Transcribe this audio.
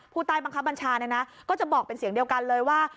ผู้ใต้บังคับบัญชาเนี่ยนะก็จะบอกเป็นเสียงเดียวกันเลยว่า